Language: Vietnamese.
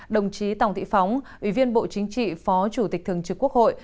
đồng chí tòng thị phóng ủy viên bộ chính trị phó chủ tịch thường trực quốc hội